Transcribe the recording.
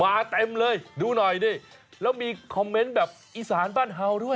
เต็มเลยดูหน่อยดิแล้วมีคอมเมนต์แบบอีสานบ้านเฮาด้วย